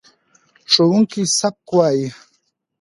ښوونکی سبق وايي.